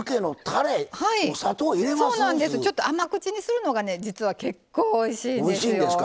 ちょっと甘口にするのが結構、おいしいんですよ。